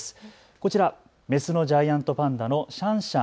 こちら、メスのジャイアントパンダのシャンシャン。